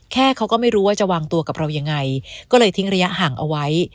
เขาก็ไม่รู้ว่าจะวางตัวกับเรายังไงก็เลยทิ้งระยะห่างเอาไว้